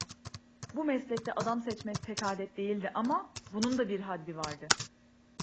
Bu meslekte adam seçmek pek adet değildi ama, bunun da bir haddi vardı.